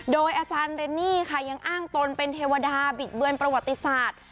โดยอาจารย์เรนนี่ค่ะยังอ้างตนเป็นเทวดาบิดเบือนประวัติศาสตร์